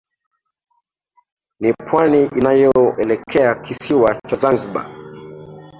Ni pwani inayoelekea kisiwa cha zanzibar